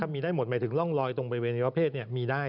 มีได้หมดหมายถึงร่องลอยตรงบริเวณวเพศมีได้